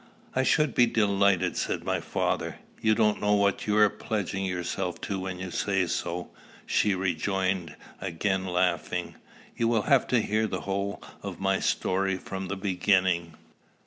"I should be delighted," said my father. "You don't know what you are pledging yourself to when you say so," she rejoined, again laughing. "You will have to hear the whole of my story from the beginning."